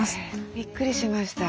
びっくりしました。